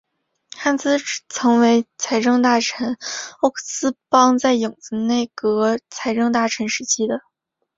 汉兹曾为财政大臣欧思邦在影子内阁财政大臣时期的。